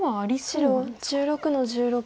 白１６の十六。